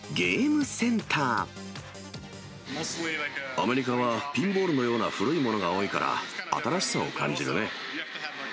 アメリカはピンボールのような古いものが多いから、新しさを感じるね。